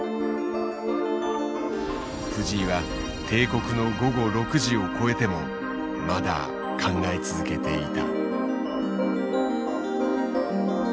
藤井は定刻の午後６時を越えてもまだ考え続けていた。